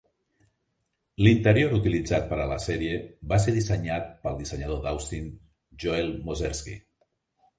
L'interior utilitzat per a la sèrie va ser dissenyat pel dissenyador d'Austin Joel Mozersky.